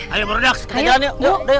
ayo produk kita jalan yuk